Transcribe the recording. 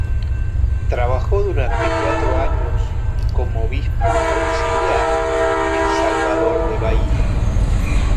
Trabajó durante cuatro años como obispo auxiliar en Salvador de Bahía.